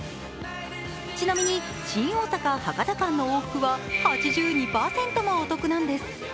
ちなみに新大阪−博多間の往復は８２％もお得なんです。